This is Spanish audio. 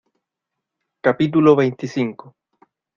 capítulo veinticinco.